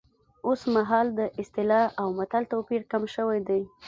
اوس مهال د اصطلاح او متل توپیر کم شوی دی